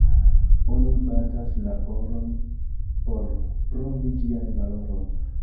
Oni batas la oron, por provi ĝian valoron.